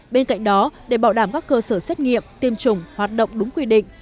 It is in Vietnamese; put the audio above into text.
bên cạnh đó để bảo đảm các cơ sở xét nghiệm tiêm chủng hoạt động đúng quy định